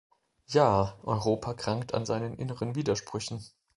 Ja, Europa krankt an seinen inneren Widersprüchen.